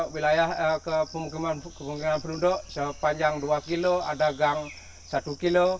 wilayah kepemukiman penunduk sepanjang dua kilo ada gang satu kilo